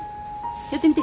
やってみて。